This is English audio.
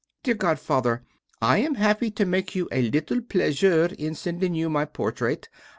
Dear godfather, I am happy to make you a little pleasure in sending you my portrait.